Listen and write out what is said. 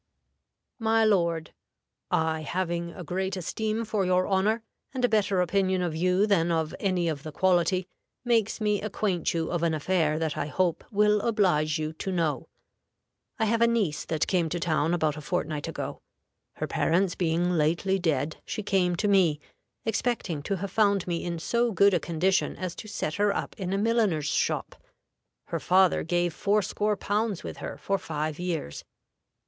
"MY LORD, I having a great esteem for your honor, and a better opinion of you than of any of the quality, makes me acquaint you of an affair that I hope will oblige you to know. I have a niece that came to town about a fortnight ago. Her parents being lately dead, she came to me, expecting to have found me in so good a condition as to set her up in a milliner's shop. Her father gave fourscore pounds with her for five years.